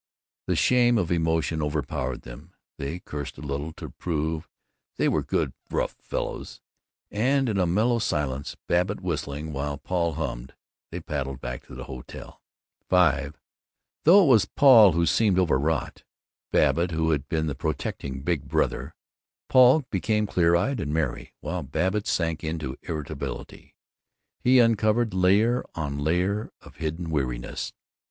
The shame of emotion overpowered them; they cursed a little, to prove they were good rough fellows; and in a mellow silence, Babbitt whistling while Paul hummed, they paddled back to the hotel. V Though it was Paul who had seemed overwrought, Babbitt who had been the protecting big brother, Paul became clear eyed and merry, while Babbitt sank into irritability. He uncovered layer on layer of hidden weariness.